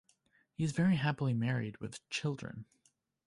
He is very happily married with children.